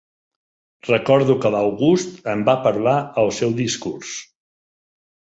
Recordo que l'August en va parlar al seu discurs.